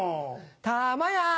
たまや！